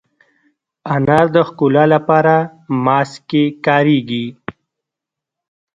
انار د ښکلا لپاره ماسک کې کارېږي.